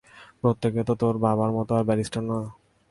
প্রত্যেকে তো তোর বাবার মতো আর ব্যারিস্টার না।